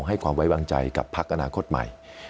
ให้ความไว้วางใจกับพักอนาคตใหม่